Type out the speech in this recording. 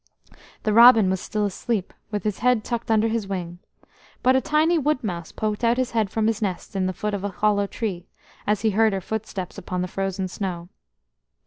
HE robin was still asleep, with his head tucked under his wing, but a tiny wood mouse poked out his head from his nest in the foot of a hollow tree, as he heard her footsteps upon the frozen snow.